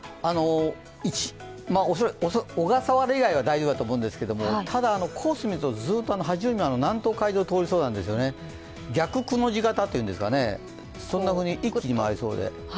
小笠原以外は大丈夫だと思うんですけどただ、コース見るとずっと八丈島の南東海上通りそうなんですよね、逆くの字型というんでしょうか、そんなふうに一気に回りそうで。